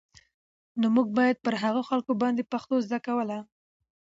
نو موږ بايد پر هغو خلکو باندې پښتو زده کول